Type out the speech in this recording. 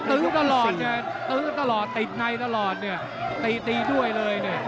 ื้อตลอดไงตื้อตลอดติดในตลอดเนี่ยตีตีด้วยเลยเนี่ย